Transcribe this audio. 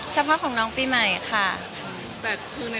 เฉพาะของน้องปีใหม่ค่ะ